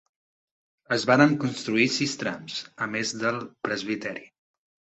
Es varen construir sis trams, a més del presbiteri.